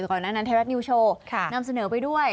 ก่อนหน้านั้นไทยรัฐนิวโชว์นำเสนอไปด้วย